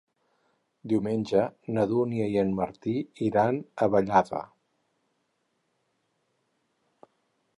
Diumenge na Dúnia i en Martí iran a Vallada.